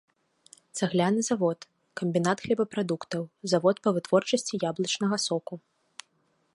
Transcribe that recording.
Цагляны завод, камбінат хлебапрадуктаў, завод па вытворчасці яблычнага соку.